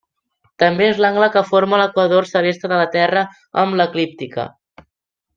També és l'angle que forma l'equador celeste de la Terra amb l'eclíptica.